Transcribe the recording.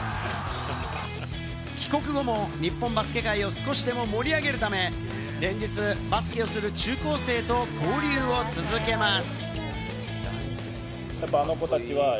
帰国後も日本バスケ界を少しでも盛り上げるため、連日バスケをする中高生と交流を続けます。